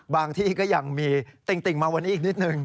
ที่ก็ยังมีติ่งมาวันนี้อีกนิดนึง